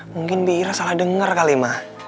mungkin piira salah denger kali mah